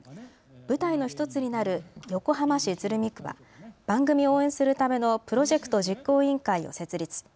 舞台の１つになる横浜市鶴見区は番組を応援するためのプロジェクト実行委員会を設立。